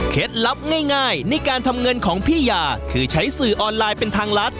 ลับง่ายในการทำเงินของพี่ยาคือใช้สื่อออนไลน์เป็นทางรัฐ